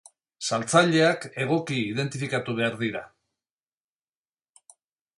Saltzaileak egoki identifikatu behar dira.